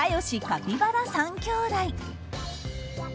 カピバラ３きょうだい。